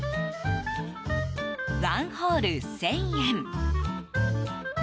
ワンホール１０００円。